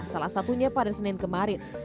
salah satunya pada senin kemarin